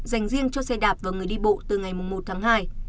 dành riêng cho xe đạp và người đi bộ từ ngày một tháng hai